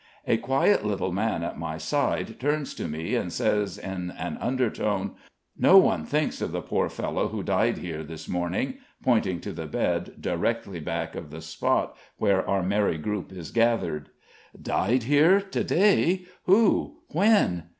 a quiet little man at my side turns to me, and says, in an under tone: "No one thinks of the poor fellow who died here this morning," pointing to the bed directly back of the spot where our merry group is gathered. "Died here! To day? Who? When?"